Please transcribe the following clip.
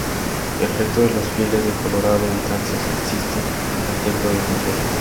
El resto de los fieles de Colorado y Kansas asisten al templo de Denver.